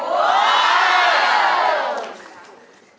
โอ้โห